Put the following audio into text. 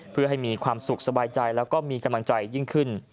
เพื่อให้มีความสุขสบายใจแล้วก็มีกำลังใจยิ่งขึ้น